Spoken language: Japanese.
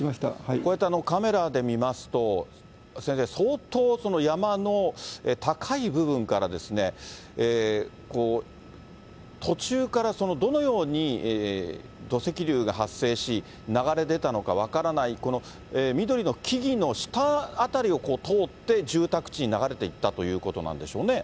こうやってカメラで見ますと、先生、相当、山の高い部分から、途中からどのように土石流が発生し、流れ出たのか分からない、この緑の木々の下辺りを通って、住宅地に流れていったということなんでしょうね。